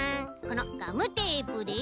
このガムテープで。